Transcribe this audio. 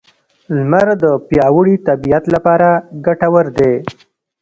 لمر د پیاوړې طبیعت لپاره ګټور دی.